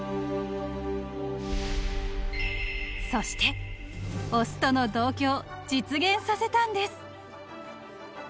［そして雄との同居を実現させたんです］